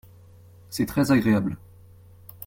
C’est très agréable.